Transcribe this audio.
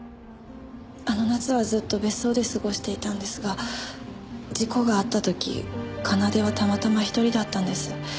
あの夏はずっと別荘で過ごしていたんですが事故があった時奏はたまたま１人だったんです。